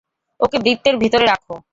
ওকে বৃত্তের ভেতরে রাখো!